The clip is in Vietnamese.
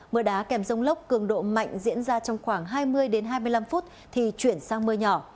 mưa đá kèm rông lốc cường độ mạnh diễn ra trong khoảng hai mươi hai mươi năm phút thì chuyển sang mưa nhỏ